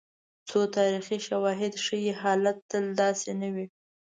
خو تاریخي شواهد ښيي، حالت تل داسې نه وي.